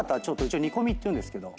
にこみっていうんですけど。